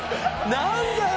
何だよ